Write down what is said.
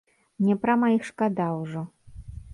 Мне прама іх шкада ўжо.